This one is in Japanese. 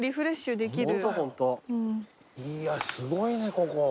いやすごいねここ。